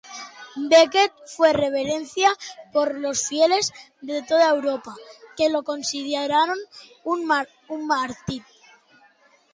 Becket fue reverenciado por los fieles de toda Europa, que lo consideraron un mártir.